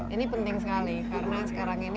ini penting sekali karena sekarang ini